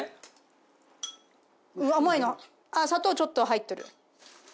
甘い砂糖ちょっと入ってる。